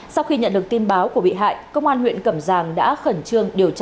sau khi nhận được tin báo của bị hại công an huyện cẩm giang đã khẩn trương điều tra